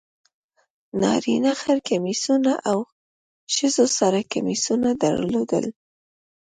نارینه خر کمیسونه او ښځو سره کمیسونه درلودل.